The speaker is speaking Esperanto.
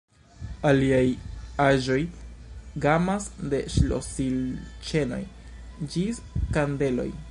Aliaj aĵoj gamas de ŝlosilĉenoj ĝis kandeloj.